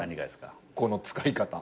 この使い方。